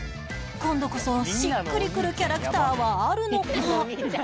今度こそしっくりくるキャラクターはあるのか？